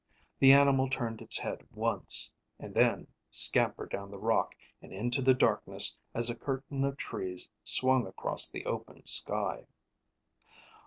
The animal turned its head once, and then scampered down the rock and into the darkness as a curtain of trees swung across the opened sky.